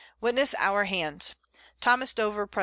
Witness our Hands._ Tho. Dover, _Pres.